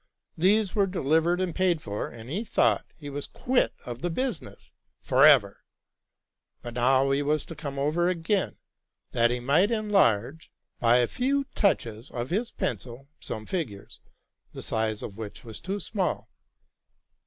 These were delivered and paid for, and he thought he was quit of the business forever; but now he was to come over again, that he might enlarge, by a few touches of his pencil, some figures, the size of which was too small.